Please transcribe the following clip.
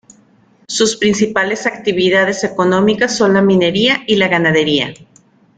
Sus principales actividades económicas son la minería y la ganadería.